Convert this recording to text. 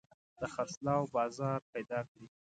د خرڅلاو بازار پيدا کړي.